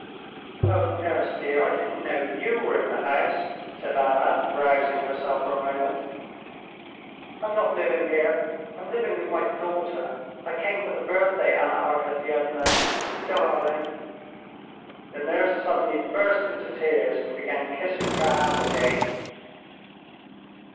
"Oh, nurse dear, I didn't know you were in the house," said Anna, rousing herself for a moment. "I'm not living here, I'm living with my daughter. I came for the birthday, Anna Arkadyevna, darling!" The nurse suddenly burst into tears, and began kissing her hand again.